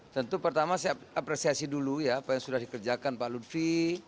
tentu pertama saya apresiasi dulu ya apa yang sudah dikerjakan pak lutfi